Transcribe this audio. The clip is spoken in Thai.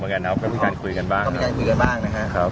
โครงการล้านสูตรนี้เป็นการยื่นประมาณปกติเลยใช่ป่าวคะ